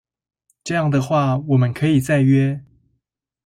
這樣的話我們可以再約